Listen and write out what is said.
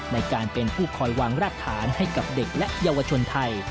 ในการเป็นผู้คอยวางรากฐานให้กับเด็กและเยาวชนไทย